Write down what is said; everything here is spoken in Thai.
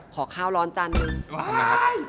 ขอข้าวร้อนจานหนึ่ง